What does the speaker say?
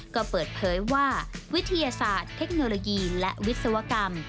ก็เปิดเผยว่าวิทยาศาสตร์เทคโนโลยีและวิศวกรรม